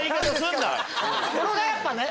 語呂がやっぱね。